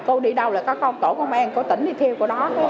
cô đi đâu là có con tổ công an cô tỉnh đi theo cô đó